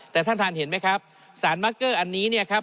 แต่ท่านท่านเห็นไหมครับสารมักเกอร์อันนี้เนี่ยครับ